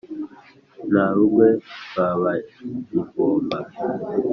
na rugwe rwa bajyivoma.